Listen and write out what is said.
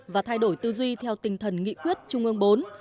và thay đổi tư duy theo tinh thần nghị quyết trung ương bốn